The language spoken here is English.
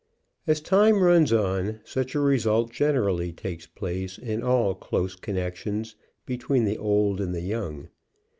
As time runs on, such a result generally takes place in all close connections between the old and the young.